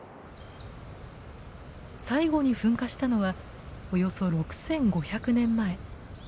最後に噴火したのはおよそ６，５００年前。